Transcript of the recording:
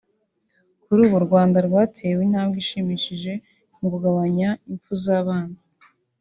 Kuri ubu u Rwanda rwateye intambwe ishimishije mu kugabanya impfu z’abana